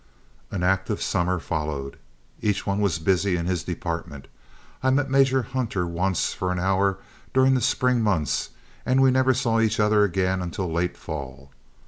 An active summer followed. Each one was busy in his department. I met Major Hunter once for an hour during the spring months, and we never saw each other again until late fall.